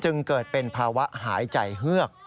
จึงเกิดเป็นภาวะหายใจเฮือก